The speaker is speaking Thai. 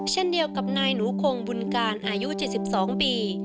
เช่นเดียวกับนายหนูคงบุญการอายุ๗๒ปี